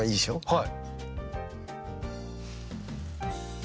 はい。